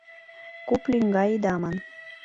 Куп лӱҥга ида ман